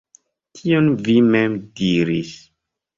Tion vi mem diris.